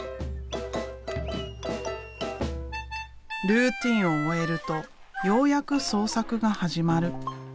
ルーティンを終えるとようやく創作が始まる。